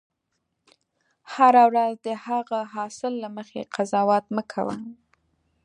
هره ورځ د هغه حاصل له مخې قضاوت مه کوه.